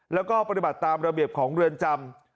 แล้วก็ปฏิบัติตามระเบียบของเรือนจำ